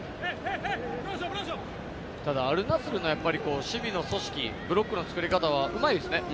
アルナスルの守備の組織、ブロックの作り方はうまいですよね。